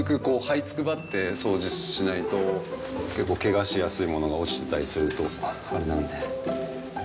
こう這いつくばって掃除しないと結構ケガしやすいものが落ちてたりするとあれなので。